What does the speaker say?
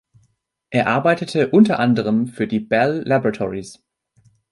Er arbeitete unter anderem für die Bell Laboratories.